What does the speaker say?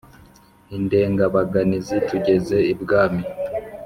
Indengabaganizi tugeze ibwami